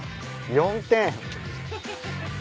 ４点。